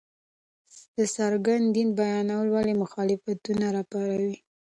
د څرګند دين بيانول ولې مخالفتونه راپاروي!؟